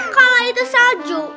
kalau itu salju